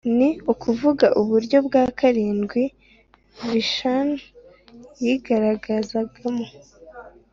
ni ukuvuga uburyo bwa karindwi vishinu yigaragazamo